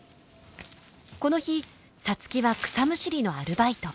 この日皐月は草むしりのアルバイト。